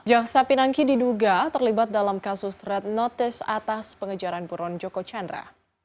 jaksa pinangki diduga terlibat dalam kasus red notice atas pengejaran buron joko chandra